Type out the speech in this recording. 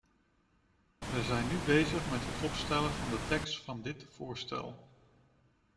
We zijn nu bezig met het opstellen van de tekst van dit voorstel.